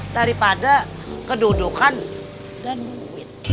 daripada kedudukan dan kuit